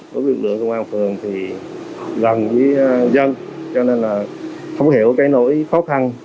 đối với lực lượng công an phường thì gần với dân cho nên là không hiểu cái nỗi khó khăn